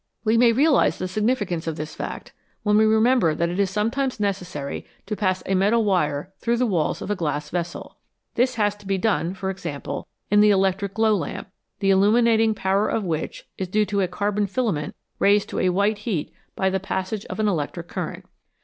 We may realise the significance of this fact when we remember that it is sometimes necessary to pass a metal wire through the walls of a glass vessel. This has to be done, for example, in the electric glow lamp, the illuminating power of which is due to a carbon filament raised to a white heat by the passage of an electric current.